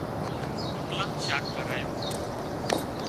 روٽلا شاک کارايون